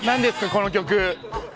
この曲。